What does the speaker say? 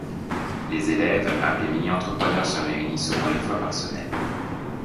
Les élèves, appelés mini-entrepreneurs se réunissent au moins une fois par semaine.